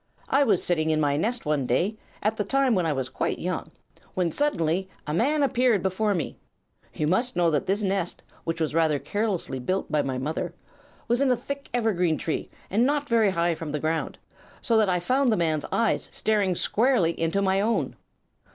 I was sitting in my nest one day, at the time when I was quite young, when suddenly a man appeared before me. You must know that this nest, which was rather carelessly built by my mother, was in a thick evergreen tree, and not very high from the ground; so that I found the man's eyes staring squarely into my own.